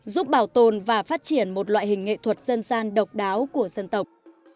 giúp bảo tồn và phát triển một loại hình nghệ thuật dân gian độc đáo của dân tộc